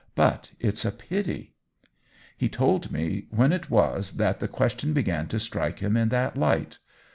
But it's a pity !"" He told me when it was that the ques tion began to strike him in that light.